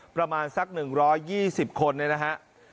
ประมาณสัก๑๒๐คนนะฮะ